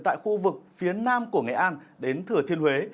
tại khu vực phía nam của nghệ an đến thừa thiên huế